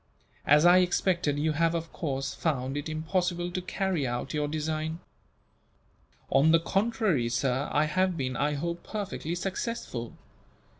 As I expected, you have, of course, found it impossible to carry out your design." "On the contrary, sir, I have been, I hope, perfectly successful.